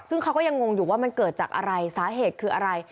ซึ่งเขาก็ยังงงอยู่ว่ามันเกิดจากอะไรสาเหตุคืออะไร